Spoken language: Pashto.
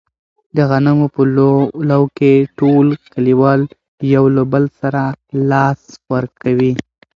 د غنمو په لو کې ټول کلیوال یو له بل سره لاس ورکوي.